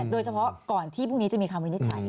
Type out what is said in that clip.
โดยเฉพาะก่อนที่พรุ่งนี้จะมีคำวินิจฉัย